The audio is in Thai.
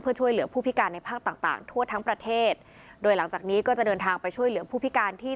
เพื่อช่วยเหลือผู้พิการในภาคต่างต่างทั่วทั้งประเทศโดยหลังจากนี้ก็จะเดินทางไปช่วยเหลือผู้พิการที่